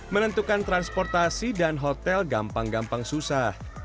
menentukan transportasi dan hotel gampang gampang susah